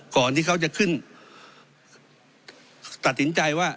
ก่อนที่เขาจะขึ้นตัดสินใจว่า